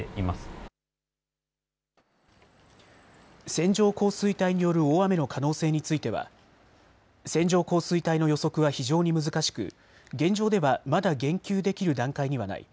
線状降水帯による大雨の可能性については線状降水帯の予測は非常に難しく現状ではまだ言及できる段階にはない。